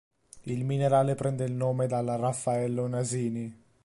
Il minerale prende il nome dalla Raffaello Nasini.